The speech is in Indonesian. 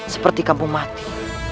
seperti kampung mati